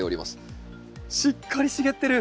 しっかり茂ってる。